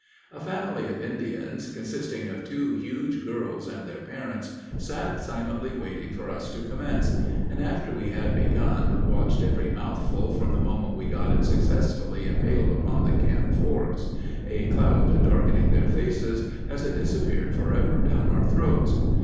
A family of Indians, consisting of two huge girls and their parents, sat silently waiting for us to commence, and, after we had begun, watched every mouthful from the moment we got it successfully impaled upon the camp forks, a cloud darkening their faces as it disappeared forever down our throats.